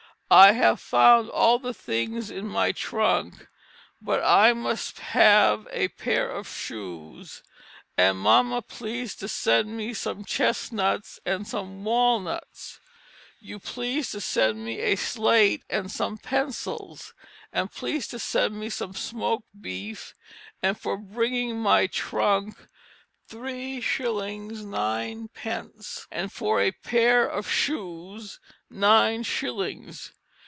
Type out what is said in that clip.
I have found all the things in my trunk but I must have a pare of Schuse. And mama please to send me some Ches Nutts and some Wall Nutts; you please to send me a Slate, and som pensals, and please to send me some smok befe, and for bringing my trunk 3/9, and for a pare of Schuse 9 shillings.